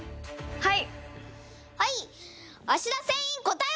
はい。